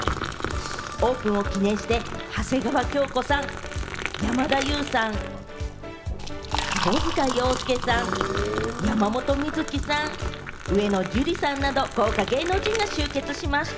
オープンを記念して長谷川京子さん、山田優さん、窪塚洋介さん、山本美月さん、上野樹里さんなど豪華芸能人が集結しました。